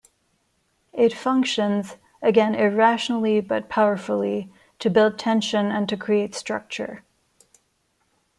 It functions, again, irrationally, but powerfully, to build tension and to create structure.